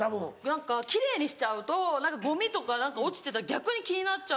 何か奇麗にしちゃうとゴミとか落ちてたら逆に気になっちゃう。